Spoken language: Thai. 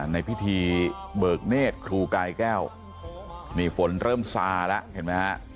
ในพิธีเบิกเนธครูกายแก้วนี่ฝนเริ่มซาแล้วเห็นไหมฮะ